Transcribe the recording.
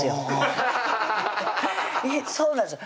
そうなんですよ